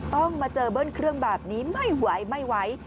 ต้องมาเจอเบอร์นเครื่องแบบนี้ไม่ไหว